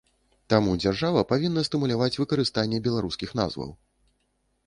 Таму дзяржава павінна стымуляваць выкарыстанне беларускіх назваў.